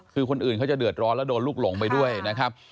คือคนอื่นเขาจะเดือดร้อนแล้วโดนลูกหลงไปด้วยนะครับ